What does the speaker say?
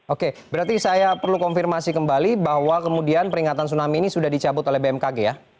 oke berarti saya perlu konfirmasi kembali bahwa kemudian peringatan tsunami ini sudah dicabut oleh bmkg ya